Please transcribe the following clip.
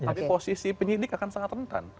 tapi posisi penyidik akan sangat rentan